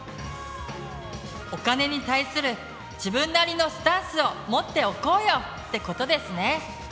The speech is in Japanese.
お金に対する「自分なりのスタンス」を持っておこうよ！ってことですね。